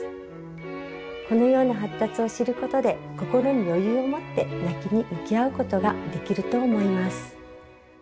このような発達を知ることで心に余裕を持って泣きに向き合うことができると思います。